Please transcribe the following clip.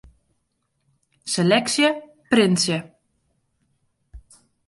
Seleksje printsje.